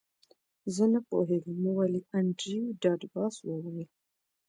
زه نه پوهیږم ولې انډریو ډاټ باس وویل